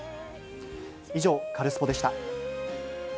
以上、カルスポっ！でした。